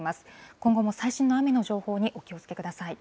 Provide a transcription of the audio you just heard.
今後も最新の雨の情報にお気をつけください。